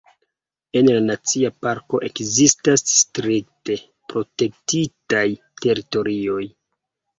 En la nacia parko ekzistas strikte protektitaj teritorioj.